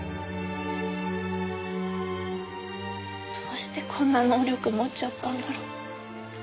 どうしてこんな能力持っちゃったんだろう。